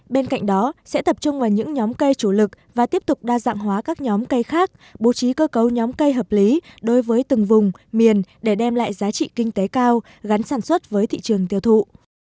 bên cạnh đó sẽ tập trung vào những nhóm cây chủ lực và tiếp tục đa dạng hóa các nhóm cây khác bố trí cơ cấu nhóm cây hợp lý đối với từng vùng miền để đem lại giá trị kinh tế cao gắn sản xuất với thị trường tiêu thụ